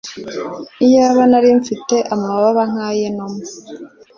Iyaba nari mfite amababa nk’ay’inuma